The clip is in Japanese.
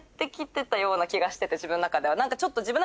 自分の中では。